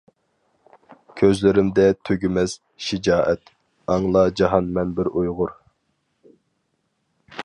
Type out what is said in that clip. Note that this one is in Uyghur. كۆزلىرىمدە تۈگىمەس شىجائەت، ئاڭلا جاھان مەن بىر ئۇيغۇر.